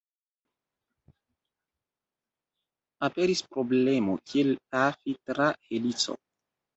Aperis problemo, kiel pafi tra helico.